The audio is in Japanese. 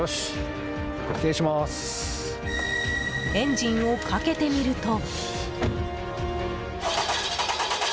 エンジンをかけてみると。